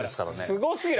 すごすぎる。